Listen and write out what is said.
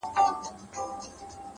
چي آدم نه وو، چي جنت وو دنيا څه ډول وه،